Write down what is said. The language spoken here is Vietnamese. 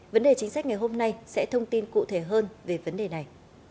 vấn đề chính sách ngày hôm nay sẽ thông tin cụ thể hơn về vấn đề này